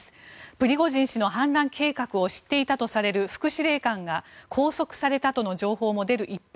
プリゴジン氏の反乱計画を知っていたとされる副司令官が拘束されたとの情報も出る一方